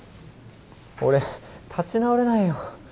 俺立ち直れないよ。